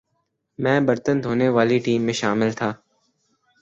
میں برتن دھونے والی ٹیم میں شامل تھا ۔